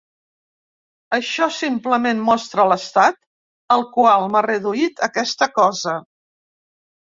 Això simplement mostra l'estat al qual m'ha reduït aquesta cosa.